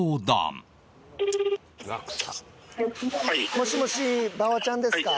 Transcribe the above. もしもし馬場ちゃんですか？